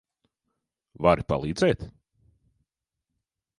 Vari palīdzēt?